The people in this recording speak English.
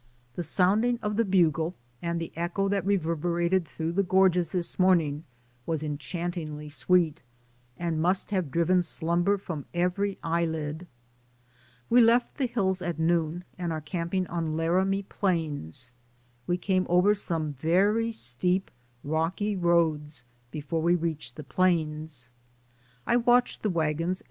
The sounding of the bugle and the echo that reverberated through the mountain gorges this morning was enchantingly sweet, and must have driven slumber from every eyelid. We left the hills at noon and are camping on Laramie Plains. We came over some very steep, rocky roads before we reached the plains. I watched the wagons DAYS ON THE ROAD.